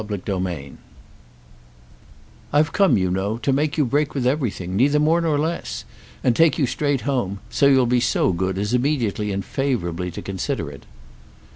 Book Fourth I "I've come, you know, to make you break with everything, neither more nor less, and take you straight home; so you'll be so good as immediately and favourably to consider it!"